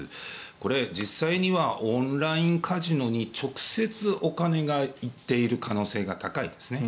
これ、実際にはオンラインカジノに直接お金が行っている可能性が高いですね。